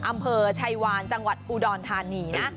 อำเภอชัยวานจังหวัดอุดรธานีนะ